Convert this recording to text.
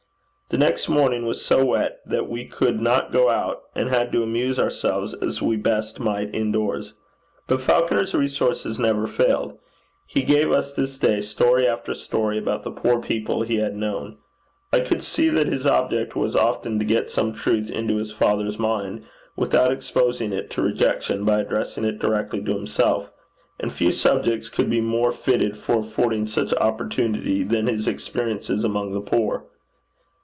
The next morning was so wet that we could not go out, and had to amuse ourselves as we best might in doors. But Falconer's resources never failed. He gave us this day story after story about the poor people he had known. I could see that his object was often to get some truth into his father's mind without exposing it to rejection by addressing it directly to himself; and few subjects could be more fitted for affording such opportunity than his experiences among the poor.